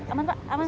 aman pak aman